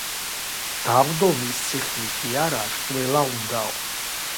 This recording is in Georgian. დავრდომილს წიხლი კი არა, შველა უნდაო